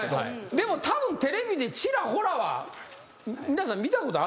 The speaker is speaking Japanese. でもたぶんテレビでちらほらは皆さん見たことあるでしょ？